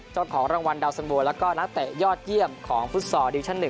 เจ้าของรางวัลดาวสันโวแล้วก็นักเตะยอดเยี่ยมของฟุตซอร์ดิวิชั่น๑